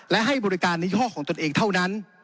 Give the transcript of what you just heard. และให้บริการยี่ห้อของตนเองเท่านั้น